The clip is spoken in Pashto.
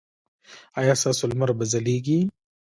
ایا ستاسو لمر به ځلیږي؟